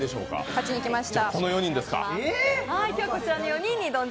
勝ちに来ました。